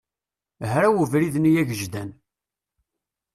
Hraw ubrid-nni agejdan.